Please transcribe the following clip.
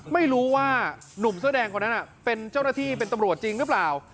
ไม่รู้ว่านุ่มเสื้อแดงคนนั้นเป็นเจ้าหน้าที่เป็นตำรวจจริงหรือเปล่า